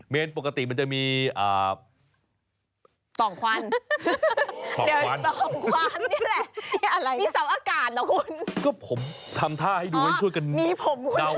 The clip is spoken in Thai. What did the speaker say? เมนปกติมันจะมีอ่า